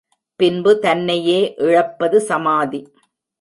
பின்பு தன்னையே இழப்பது சமாதி.